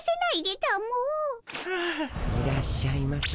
いらっしゃいませ。